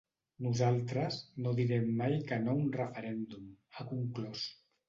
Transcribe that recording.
Nosaltres no direm mai que no a un referèndum, ha conclòs.